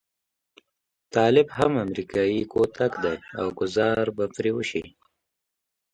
طالب هم امريکايي کوتک دی او ګوزار به پرې وشي.